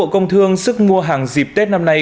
bộ công thương sức mua hàng dịp tết năm nay